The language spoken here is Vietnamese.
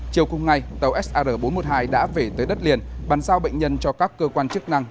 chiều cùng ngày tàu sr bốn trăm một mươi hai đã về tới đất liền bàn sao bệnh nhân cho các cơ quan chức năng